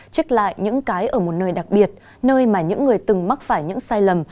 trích lại những cái ở một nơi đặc biệt nơi mà những người từng mắc phải những sai lầm